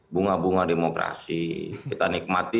bunga bunga demokrasi kita nikmati